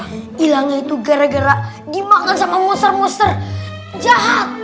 hilangnya itu gara gara dimakan sama monster monster jahat